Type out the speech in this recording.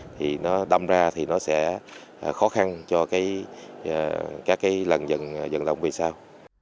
thì nó đâm ra thì nó sẽ khó khăn cho các cái lần dần dần về sau